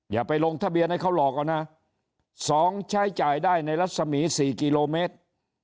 อย่าไปลงทะเบียนให้เขาหลอกเอานะ๒ใช้จ่ายได้ในรัศมี๔กิโลเมตร